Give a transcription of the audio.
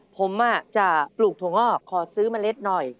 ผมจะปลูกถั่วงอกขอซื้อเมล็ดหน่อย